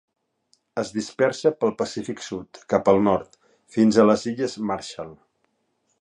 Es dispersa pel Pacífic Sud, cap al nord, fins a les illes Marshall.